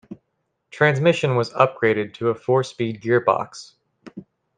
Transmission was upgraded to a four speed gear box.